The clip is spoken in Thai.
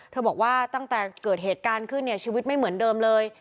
บอกว่าตั้งแต่เกิดเหตุการณ์ขึ้นเนี่ยชีวิตไม่เหมือนเดิมเลย